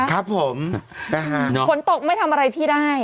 ครับผมนะฮะฝนตกไม่ทำอะไรพี่ได้